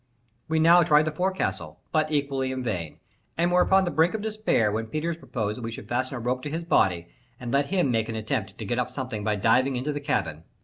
We now tried the forecastle, but equally in vain, and were upon the brink of despair, when Peters proposed that we should fasten a rope to his body, and let him make an attempt to get up something by diving into the cabin.